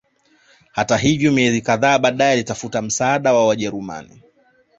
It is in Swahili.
Hata hivyo miezi kadhaa baadae alitafuta msaada wa Wajerumani